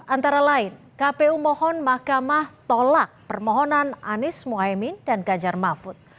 antara lain kpu mohon mahkamah tolak permohonan anies mohaimin dan ganjar mahfud